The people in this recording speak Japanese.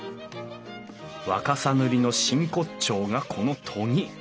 若狭塗の真骨頂がこの研ぎ。